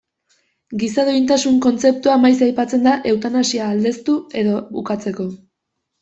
Giza duintasun kontzeptua maiz aipatzen da eutanasia aldeztu edo ukatzeko.